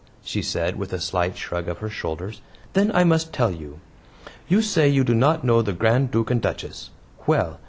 she said, with a slight shrug of her shoulders. "Then I must tell you. You say you do not know the Grand Duke and Duchess. Well!